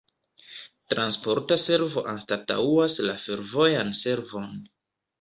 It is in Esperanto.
Transporta servo anstataŭas la fervojan servon.